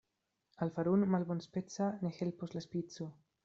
Al farun' malbonspeca ne helpos la spico.